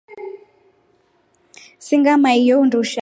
Singa maiyoo undusha.